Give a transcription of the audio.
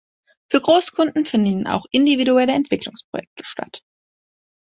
Für Großkunden finden auch individuelle Entwicklungsprojekte statt.